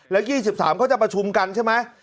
และ๒๓พฤษภาคมเขาจะประชุมกันใช่ไหม